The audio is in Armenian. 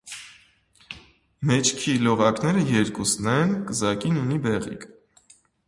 Մեջքի լողակները երկուսն են, կզակին ունի բեղիկ։